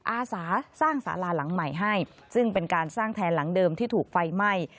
อาสาสร้างสาราหลังใหม่ให้ซึ่งเป็นการสร้างแทนหลังเดิมที่ถูกไฟไหม้